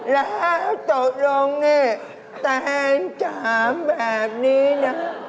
แล้วตกลงเนี่ยแตนถามแบบนี้นะ